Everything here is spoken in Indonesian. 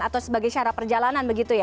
atau sebagai syarat perjalanan begitu ya